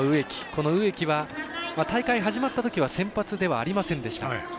この植木は、大会始まったときは先発ではありませんでした。